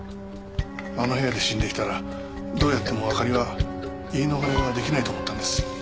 あの部屋で死んでいたらどうやってもあかりは言い逃れができないと思ったんです。